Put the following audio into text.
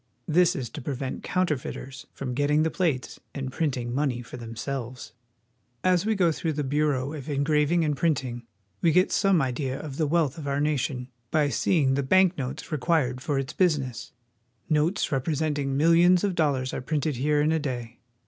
This is to prevent counterfeiters from getting the plates and printing money for themselves. As we go through the Bureau of Engraving and Print ing we get some idea of the wealth of our nation by seeing the bank notes required for its business. Notes represent ing millions of dollars are printed here in a day.